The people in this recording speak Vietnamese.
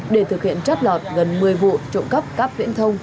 để thực hiện trắt lọt gần một mươi vụ trộm cắp cắp viễn thông